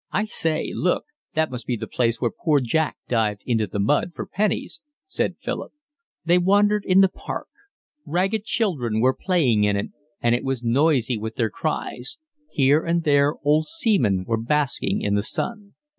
"I say, look, that must be the place where Poor Jack dived into the mud for pennies," said Philip. They wandered in the park. Ragged children were playing in it, and it was noisy with their cries: here and there old seamen were basking in the sun.